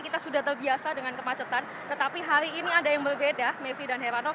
kita sudah terbiasa dengan kemacetan tetapi hari ini ada yang berbeda mevri dan heranov